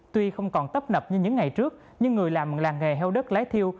tuy không còn tấp nập như những ngày trước nhưng người làm làng nghề heo đất lái thiêu